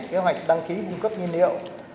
kế hoạch đăng ký cung cấp nhiên liệu